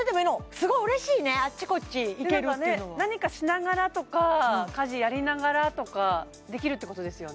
すごい嬉しいねあっちこっち行けるっていうのは何かしながらとか家事やりながらとかできるってことですよね